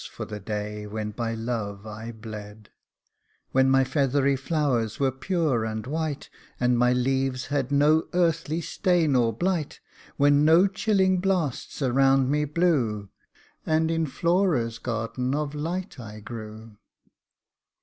for the day when by love I bled ; When my feathery flowers were pure and white, And my leaves had no earthly stain or blight, When no chilling blasts around me blew, And in Flora's garden of light I grew.